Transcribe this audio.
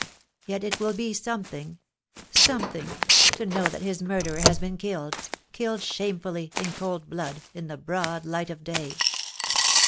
Yet it will be some thing— something — to know that his murderer has been killed — killed shamefully, in cold blood, in the broad light of day.